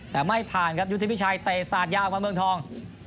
แต่ไม่ผ่านครับยุทธินพี่ชายเตรียดซาดยาวของเมืองทอง